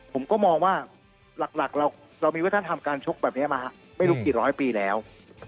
ผมก็มองว่าเรามีลักษณะทำการชกแบบนี้ไม่รู้สักหกปีที่แล้ว